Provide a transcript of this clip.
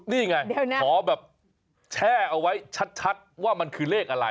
นี่ไงขอแบบแช่เอาไว้ชัดว่ามันคือเลขอะไร